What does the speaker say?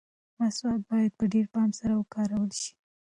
مسواک باید په ډېر پام سره وکارول شي.